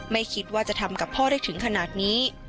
ไม่คิดว่าจะทำกับพ่อได้ถึงขนาดนี้